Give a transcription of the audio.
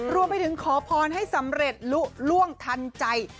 รวมไปถึงขอพรให้สำเร็จลุล่วงทันใจ